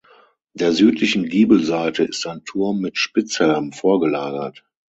Der südlichen Giebelseite ist ein Turm mit Spitzhelm vorgelagert.